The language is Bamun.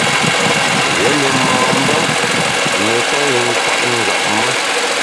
Rié ne mamba neka i nkwet njap me.